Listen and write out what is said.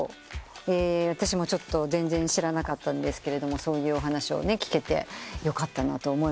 私も全然知らなかったんですがそういうお話を聞けてよかったなと思いました。